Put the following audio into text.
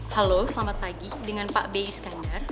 halo selamat pagi dengan pak b iskandar